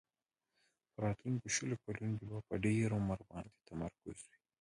په راتلونکو شلو کلونو کې به په ډېر عمر باندې تمرکز وي.